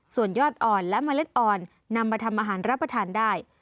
ส่วนยอดอ่อนและเมล็ดอ่อนนำมาทำอาหารรับประทานได้